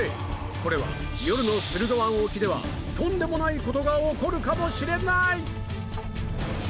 これは夜の駿河湾沖ではとんでもない事が起こるかもしれない‼